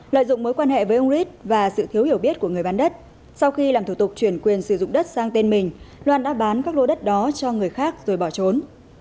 lợi dụng mối quan hệ với ông riết và sự thiếu hiểu biết của người bán đất sau khi làm thủ tục chuyển quyền sử dụng đất sang tên mình loan đã bán các lô đất đó cho người khác rồi bỏ trốn